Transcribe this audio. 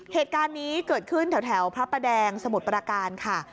เหตุการณ์นี้เกิดขึ้นแถวพระประแดงสมุทรประการค่ะ